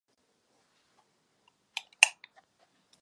Teologické vzdělání získal na krakovské akademii.